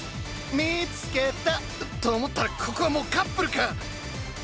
見つけた！と思ったらここはもうカップルか！